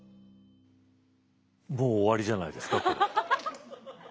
もう終わりじゃないですかこれ。ハハハハハハ！